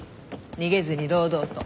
逃げずに堂々と。